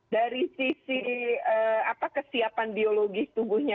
dari sisi kesiapan biologis tubuhnya